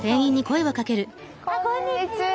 こんにちは！